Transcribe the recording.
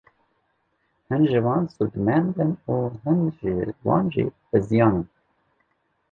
Hin ji wan sûdmend in û hin ji wan jî biziyan in.